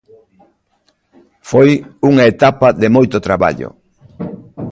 Foi unha etapa de moito traballo.